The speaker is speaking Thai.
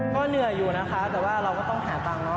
ก็เหนื่อยอยู่นะคะแต่ว่าเราก็ต้องหาตังค์เนาะ